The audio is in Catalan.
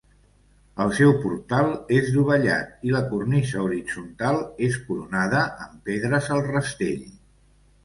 El seu portal és dovellat i la cornisa horitzontal és coronada amb pedres al rastell.